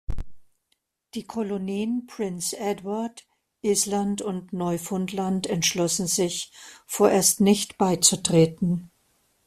Die Kolonien Prince Edward Island und Neufundland entschlossen sich, vorerst nicht beizutreten.